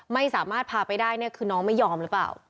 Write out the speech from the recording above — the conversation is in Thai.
ไม่สามารถพาไปได้เนี่ยคือน้องไม่ยอมหรือเปล่า